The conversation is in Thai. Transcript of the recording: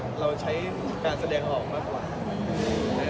ส่วนใหญ่เราใช้แฟนแสดงออกมากกว่า